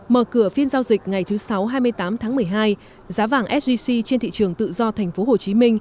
mở cửa phiên giao dịch ngày thứ sáu hai mươi tám tháng một mươi hai giá vàng sgc trên thị trường tự do tp hcm